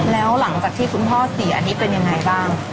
แล้วหลังจากที่คุณพ่อเสียอันนี้เป็นยังไงบ้าง